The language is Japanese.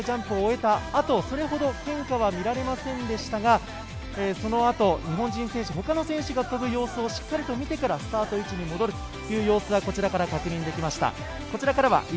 選手の表情をトライアルジャンプを終えた後、それほど変化は見られませんでしたが、そのあと日本人選手、他の選手が飛ぶ様子をしっかりと見てからスタート位置に戻るという様子がこちらから確認できました。